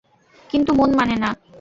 কিন্তু মন মানে না।